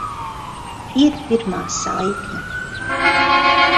Ir pirmā saikne.